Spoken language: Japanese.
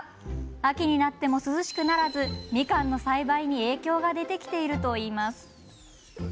秋になっても涼しくならずみかんの栽培に影響が出てきているといいます。